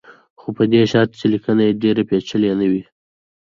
خو په دې شرط چې لیکنه یې ډېره پېچلې نه وي.